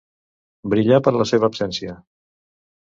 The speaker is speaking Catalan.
Brillar per la seva absència.